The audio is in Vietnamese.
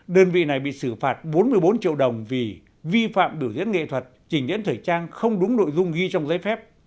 đơn vị này bị xử phạt bốn mươi bốn triệu đồng vì vi phạm biểu diễn nghệ thuật trình diễn thời trang không đúng nội dung ghi trong giấy phép